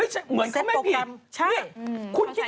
เหมือนกันไม่ผิด